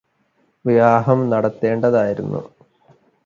വിവാഹം നടക്കേണ്ടതായിരുന്നു